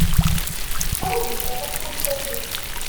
Qrib i tt-rriɣ d tameṭṭut-iw.